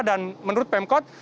dan menurut pemkot